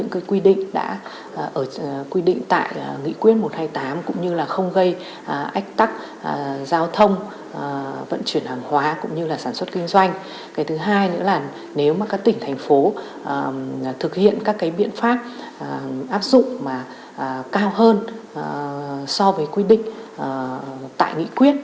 nếu mà các tỉnh thành phố thực hiện các biện pháp áp dụng cao hơn so với quy định tại nghị quyết